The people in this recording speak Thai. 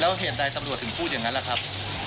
แล้วเหตุใดสับดวชถึงพูดอย่างนั้นล่ะครับ